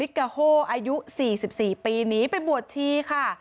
กาโฮอายุ๔๔ปีหนีไปบวชชีค่ะ